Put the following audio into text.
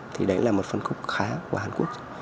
thì đấy là một phân khúc khá của hàn quốc